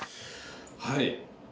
はい。